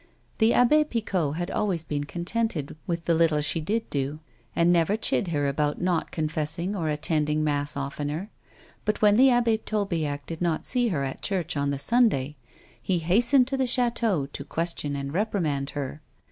The Abbe Picot had always been con tented with the little she did do, and never chid her for not confessing or attending mass oftener ; but when the Abbe Tolbiac did not see her at church on the Sunday, he hastened to the chateau to question and reprimand her.